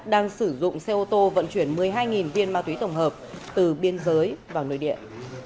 đang sử dụng xe ô tô vận chuyển một mươi hai viên ma túy tổng hợp từ biên giới vào nơi điện